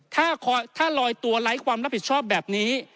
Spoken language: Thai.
ถ้าลอยตัวไร้ความรับผิดชอบแบบนี้